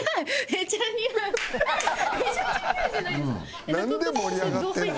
めちゃくちゃ似合うじゃないですか。